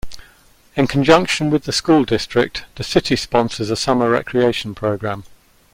In conjunction with the school district, the city sponsors a summer recreation program.